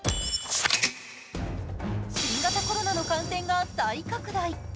新型コロナの感染が再拡大。